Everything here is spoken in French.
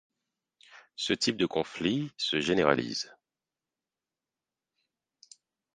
Ce type de conflits se généralise.